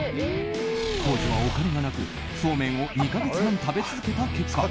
当時は、お金がなく、そうめんを２か月半食べ続けた結果